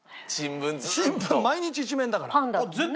新聞毎日一面だから。